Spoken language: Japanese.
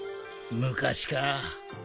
昔か。